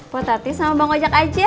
po tati sama bang ojak aja